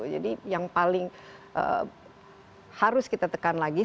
jadi yang paling harus kita tekan lagi